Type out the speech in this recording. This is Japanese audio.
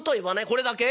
これだけ？